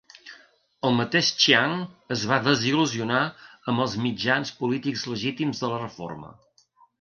El mateix Chiang es va desil.lusionar amb els mitjans polítics legítims de la reforma.